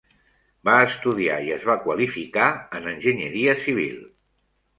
Va estudiar i es va qualificar en enginyeria civil.